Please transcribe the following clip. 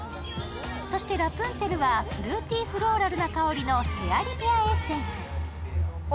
そしてラプンツェルはフルーティーフローラルな香りのヘアリペアエッセンス。